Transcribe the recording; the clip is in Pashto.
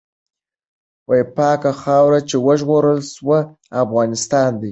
پاکه خاوره چې وژغورل سوه، افغانستان دی.